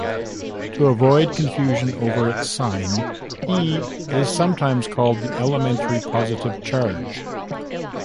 To avoid confusion over its sign, "e" is sometimes called the elementary positive charge.